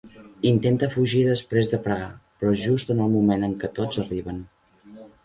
Intenta fugir després de pregar, però just en el moment en què tots arriben.